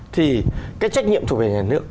thì cái trách nhiệm thuộc về nhà nước